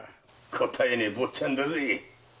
応えねえ坊ちゃんだぜ。